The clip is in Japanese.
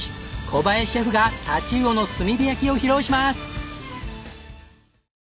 小林シェフが太刀魚の炭火焼きを披露します！